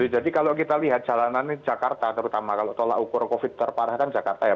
jadi kalau kita lihat jalanannya jakarta terutama kalau tolak ukur covid sembilan belas terparah kan jakarta ya